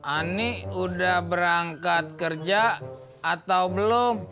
ani udah berangkat kerja atau belum